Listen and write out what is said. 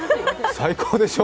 最高でしょう？